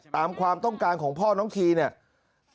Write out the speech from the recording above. ตามความต้องการของพ่อน้องทีเนี่ย